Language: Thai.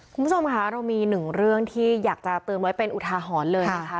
คุณผู้ชมค่ะเรามีหนึ่งเรื่องที่อยากจะเตือนไว้เป็นอุทาหรณ์เลยนะคะ